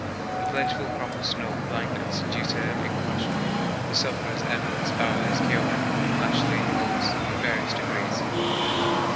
A plentiful crop of snow blindness due to incaution the sufferers Evans, Bowers, Keohane, Lashly, Oates in various degrees.